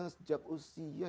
sejak usia delapan tahun